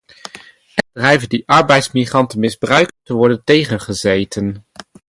En bedrijven die arbeidsmigranten misbruiken moeten worden tegengezeten.